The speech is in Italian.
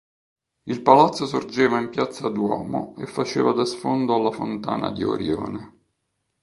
Il palazzo sorgeva in piazza Duomo, e faceva da sfondo alla fontana di Orione.